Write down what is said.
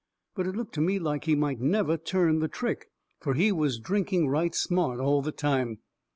But it looked to me like he might never turn the trick. Fur he was drinking right smart all the time.